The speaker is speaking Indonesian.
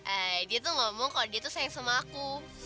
ah dia tuh ngomong kalau dia tuh sayang sama aku